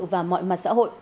và mọi mặt xã hội